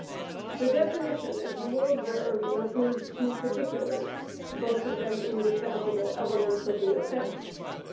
The definition, as you will observe, includes two particulars, both of them indispensable elements of the offence.